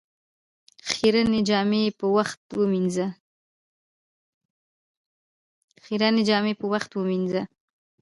خيرنې جامې په وخت ووينځه